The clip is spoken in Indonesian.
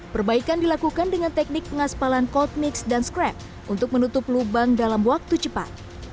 perbaikan dilakukan dengan teknik pengaspalan cold mix dan scrap untuk menutup lubang dalam waktu cepat